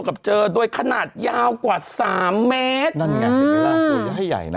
เกดโดยขนาดยาวกว่า๓แมตร